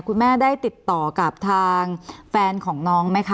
คุณแม่ได้ติดต่อกับทางแฟนของน้องไหมคะ